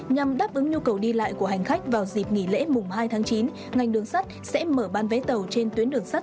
nhằm đáp ứng nhu cầu đi lại hệ thống